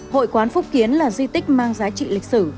hội quán phúc kiến là di tích mang giá trị lịch sử